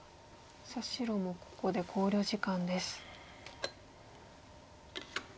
さあ白もここで考慮時間です。